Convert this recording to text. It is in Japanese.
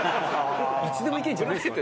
いつでもいけるんじゃないんですか？